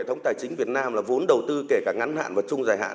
hệ thống tài chính việt nam là vốn đầu tư kể cả ngắn hạn và chung dài hạn